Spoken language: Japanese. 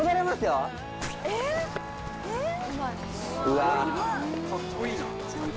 うわ。